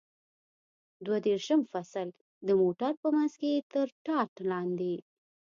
دوه دېرشم فصل: د موټر په منځ کې تر ټاټ لاندې.